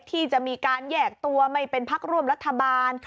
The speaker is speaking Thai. ที่จะมีการแยกตัวไม่เป็นพักร่วมรัฐบาล